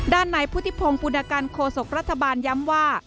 ด้านในพุทธิพงศ์ปุณกันโคศกรัฐบาลย้ำว่า